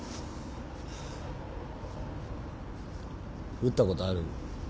撃ったことある？